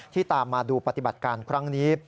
ตามมาดูปฏิบัติการครั้งนี้